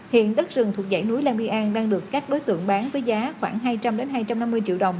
hiện đất rừng thuộc dãy núi la bia an đang được các đối tượng bán với giá khoảng hai trăm linh hai trăm năm mươi triệu đồng